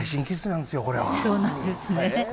そうなんですね。